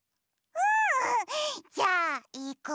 うん！じゃあいくよ！